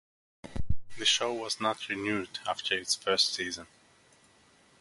The show was not renewed after its first season.